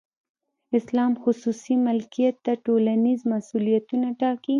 اسلام خصوصي ملکیت ته ټولنیز مسولیتونه ټاکي.